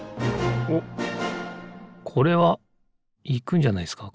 おっこれはいくんじゃないですか